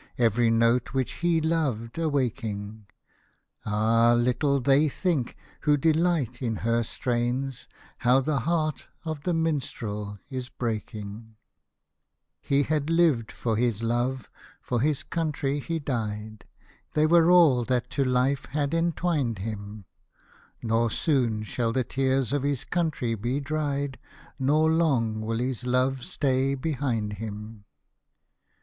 Every note which he loved awaking ;— Ah ! little they think who delight in her strains, How the heart of the Minstrel is breaking. Hosted by Google HARP THAT ONCE THROUGH TARA'S HALLS 9 He had lived for his love, for his country he died, They were all that to life had entwined him ; Nor soon shall the tears of his country be dried. Nor long will his love stay behind him.